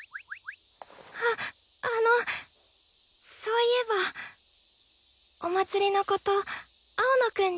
ああのそういえばお祭りのこと青野くんに伝えた？